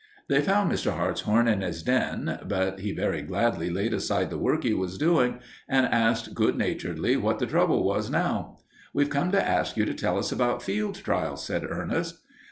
They found Mr. Hartshorn in his den, but he very gladly laid aside the work he was doing and asked good naturedly what the trouble was now. "We've come to ask you to tell us about field trials," said Ernest.